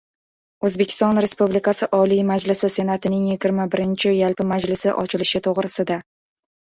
O‘zbekiston Respublikasi Oliy Majlisi Senatining yigirma birinchi yalpi majlisi ochilishi to‘g‘risida